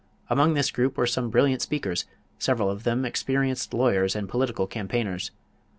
Among this group were some brilliant speakers, several of them experienced lawyers and political campaigners.